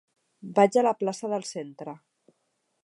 Vaig a la plaça del Centre.